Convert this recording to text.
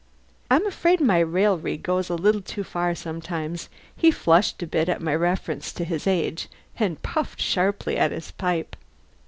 I'm afraid my raillery goes a little too far sometimes. He flushed a bit at my reference to his age, and puffed sharply at his pipe.